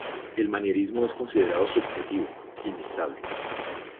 El manierismo es considerado subjetivo, inestable.